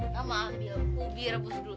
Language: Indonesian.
sama ambil ubi rebus dulu